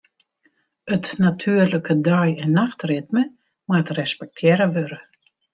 It natuerlike dei- en nachtritme moat respektearre wurde.